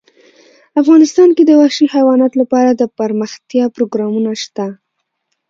افغانستان کې د وحشي حیوانات لپاره دپرمختیا پروګرامونه شته.